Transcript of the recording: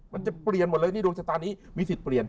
มันจะเปลี่ยนหมดเลยนี่ดวงชะตานี้มีสิทธิ์เปลี่ยน